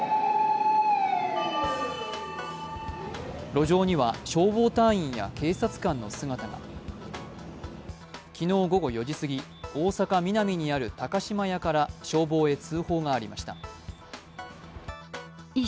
路上には消防隊員や警察官の姿が昨日午後４時過ぎ、大阪・ミナミにある高島屋から消防へ通報がありました。